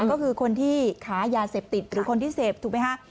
ก็คือคนที่ขายาเสพติดหรือคนที่เสพถูกไหมคะ